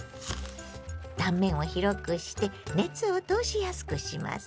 断面を広くして熱を通しやすくします。